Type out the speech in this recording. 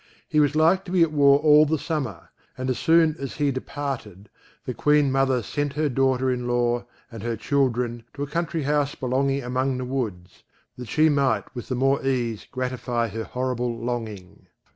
He was like to be at war all the summer, and as soon as he departed, the Queen mother sent her daughter in law and her children to a country house among the woods, that she might with the more ease gratify her horrible longing.